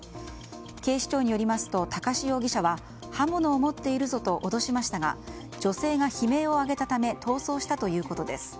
警視庁によりますと高師容疑者は刃物を持っているぞと脅しましたが女性が悲鳴を上げたため逃走したということです。